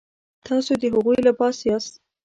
تاسو د هغوی لباس یاست.